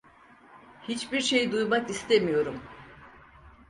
Hiçbir şey duymak istemiyorum.